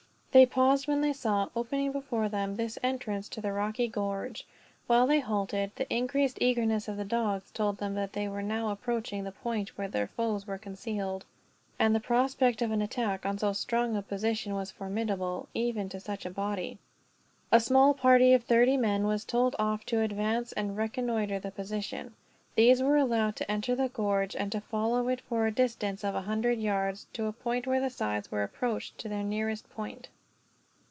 They paused when they saw, opening before them, this entrance to the rocky gorge. While they halted, the increased eagerness of the dogs told them that they were now approaching the point where their foes were concealed; and the prospect of an attack, on so strong a position, was formidable even to such a body. A small party, of thirty men, was told off to advance and reconnoiter the position. These were allowed to enter the gorge, and to follow it for a distance of a hundred yards, to a point where the sides were approached to their nearest point.